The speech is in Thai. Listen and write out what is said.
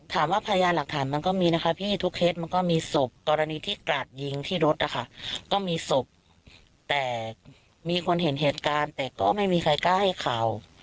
พยานหลักฐานมันก็มีนะคะพี่ทุกเคสมันก็มีศพกรณีที่กราดยิงที่รถนะคะก็มีศพแต่มีคนเห็นเหตุการณ์แต่ก็ไม่มีใครกล้าให้ข่าว